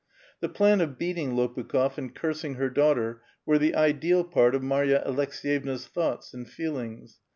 The plan of beating Lopukh6f and cursing her daughter were the ideal part of Marya Aleks^yevna's thoughts and feelings.